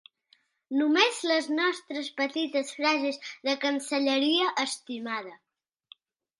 Només les nostres petites frases de cancelleria, estimada.